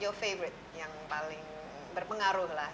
your favorite yang paling berpengaruh lah